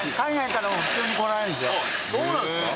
そうなんすか？